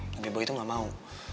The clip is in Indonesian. tapi boy itu gak mau